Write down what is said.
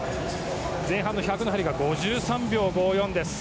前半１００の入りが５３秒５４です。